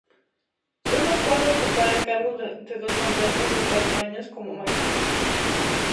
Solo puede ocupar el cargo durante dos mandatos de cuatro años como máximo.